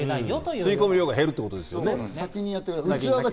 吸い込む量が減るってことですね。